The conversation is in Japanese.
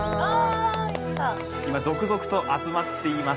今続々と集まっています。